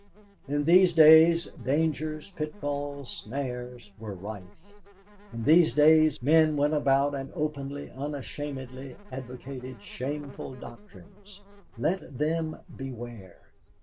In these days dangers, pitfalls, snares, were rife; in these days men went about and openly, unashamedly advocated shameful doctrines. Let them beware.